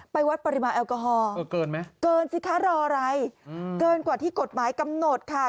วัดปริมาณแอลกอฮอล์เกินไหมเกินสิคะรออะไรเกินกว่าที่กฎหมายกำหนดค่ะ